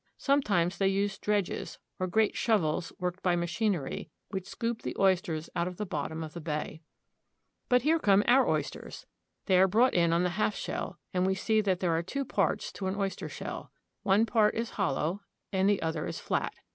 Some times they use dredges, or great shovels worked by ma chinery, which scoop the oysters out of the bottom of the bay. OYSTERS. 49 But here come our oysters. They are brought in on the half shell, and we see that there are two parts to an oyster shell. One part is hollow and the other is flat.